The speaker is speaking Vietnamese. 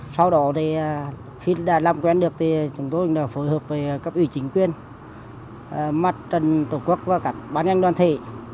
sau đó thì khi đã làm quen được thì chúng tôi đã phối hợp với các ủy chính quyền mặt trần tổ quốc và các bán nhanh đoàn thể